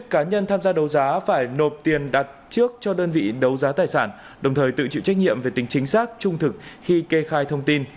tổ chức đấu giá đấu giá phải nộp tiền đặt trước cho đơn vị đấu giá tài sản đồng thời tự chịu trách nhiệm về tính chính xác trung thực khi kê khai thông tin